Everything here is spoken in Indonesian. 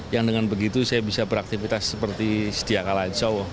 yang dengan begitu saya bisa beraktivitas seperti setiap kalah